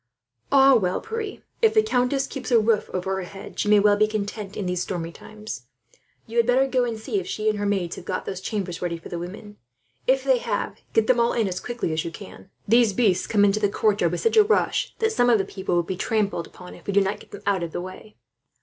"Ah well, Pierre, if the countess keeps a roof over her head she may be well content, in these stormy times. You had better go and see if she and her maids have got those chambers ready for the women. If they have, get them all in as quickly as you can. These beasts come into the courtyard with such a rush that some of the people will be trampled upon, if we do not get them out of the way."